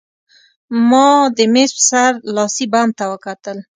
ما د مېز په سر لاسي بم ته وکتل